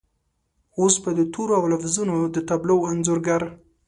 اوس به د تورو او لفظونو د تابلو انځورګر